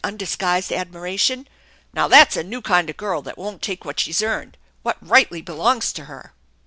undisguised r.dmira* tion. " Now that's a new kind of girl that won't take what she's earned, what rightly belongs to her."